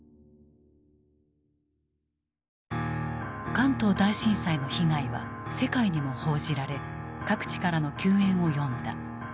関東大震災の被害は世界にも報じられ各地からの救援を呼んだ。